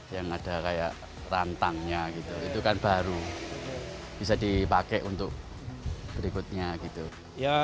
yang ada kayak rantangnya gitu itu kan baru bisa dipakai untuk berikutnya gitu ya